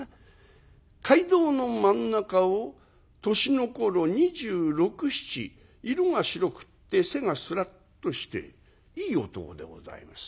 街道の真ん中を年の頃２６２７色が白くって背がスラッとしていい男でございます。